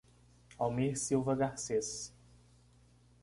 Almir Silva Garcez